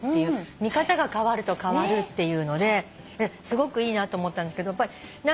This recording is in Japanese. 見方が変わると変わるっていうのですごくいいなと思ったんですけど。